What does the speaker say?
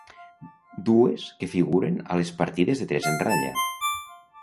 Dues que figuren a les partides de tres en ratlla.